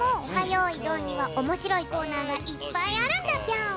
よいどん」にはおもしろいコーナーがいっぱいあるんだぴょん！